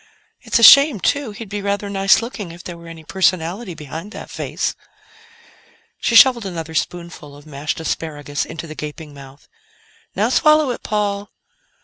"It's a shame, too; he'd be rather nice looking if there were any personality behind that face." She shoveled another spoonful of mashed asparagus into the gaping mouth. "Now swallow it, Paul."